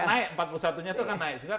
naik empat puluh satu nya itu akan naik juga